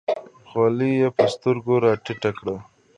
خولۍ یې په سترګو راټیټه کړه.